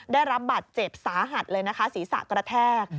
ได้รับบาดเจ็บสาหัสเลยนะคะศีรษะกระแทก